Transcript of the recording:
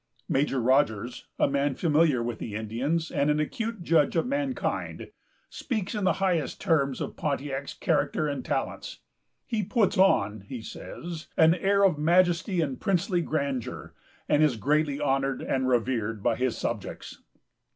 Major Rogers, a man familiar with the Indians, and an acute judge of mankind, speaks in the highest terms of Pontiac's character and talents. "He puts on," he says, "an air of majesty and princely grandeur, and is greatly honored and revered by his subjects."